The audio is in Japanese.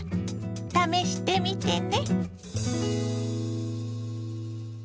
試してみてね。